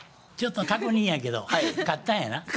ちょっと確認やけど勝ったんやな？